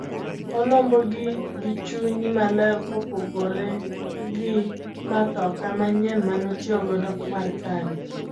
Olombo gi gichuny maler kopopgore gi matoka manyien mane otiyo godo mar kambi.